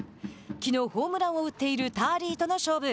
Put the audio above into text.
きのう、ホームランを打っているターリーとの勝負。